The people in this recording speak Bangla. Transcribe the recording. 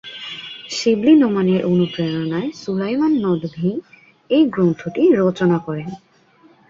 শিবলী নোমানীর অনুপ্রেরণায় সুলাইমান নদভী এই গ্রন্থটি রচনা করেন।